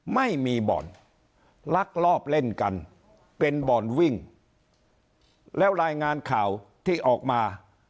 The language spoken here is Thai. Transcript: ไม่มีบ่อนลักลอบเล่นกันเป็นบ่อนวิ่งแล้วรายงานข่าวที่ออกมา